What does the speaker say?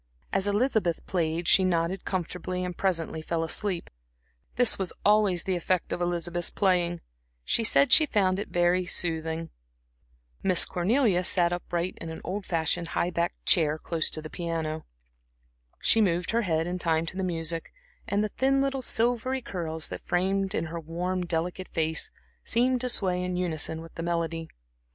As Elizabeth played she nodded comfortably and presently fell asleep. This was always the effect of Elizabeth's playing; she said she found it very soothing. Miss Cornelia sat upright in an old fashioned, high backed chair close to the piano. She moved her head in time to the music, and the thin little silvery curls that framed in her worn, delicate face seemed to sway in unison with the melody.